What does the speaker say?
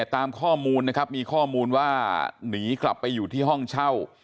ตามข้อมูลนะครับมีข้อมูลว่าหนีกลับไปอยู่ที่ห้องเช่า